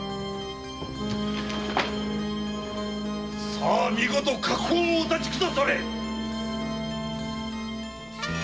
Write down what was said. さあ見事禍根をお断ちくだされ！